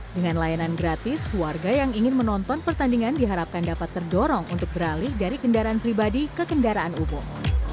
dengan layanan gratis warga yang ingin menonton pertandingan diharapkan dapat terdorong untuk beralih dari kendaraan pribadi ke kendaraan umum